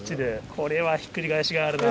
これはひっくり返しがいあるな。